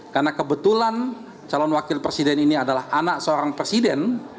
karena kebetulan calon wakil presiden ini adalah anak seorang presiden